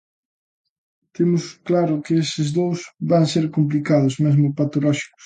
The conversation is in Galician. Temos claro que eses dous van ser complicados, mesmo patolóxicos.